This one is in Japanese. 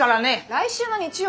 来週の日曜？